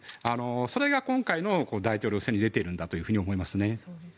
それが今回の大統領選に出ているんだと思います。